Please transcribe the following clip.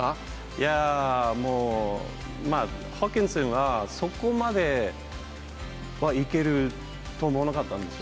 いやー、もう、ホーキンソンは、そこまではいけると思わなかったですよ。